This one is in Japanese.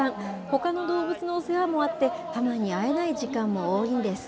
ほかの動物の世話もあって、ハマに会えない時間も多いんです。